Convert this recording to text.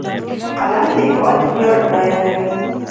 قلم د هېواد ویاړ بیانوي